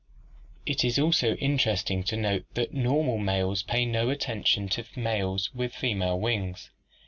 "'It is also interesting to note that normal males pay no attention to males with female wings.